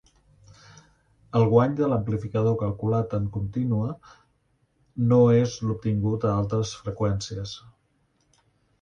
El guany de l'amplificador calculat en contínua no és l'obtingut a altes freqüències.